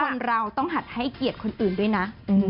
คนเราต้องหัดให้เกียรติคนอื่นด้วยนะ